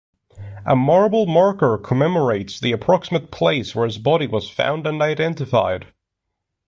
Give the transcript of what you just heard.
A marble marker commemorates the approximate place where his body was found and identified.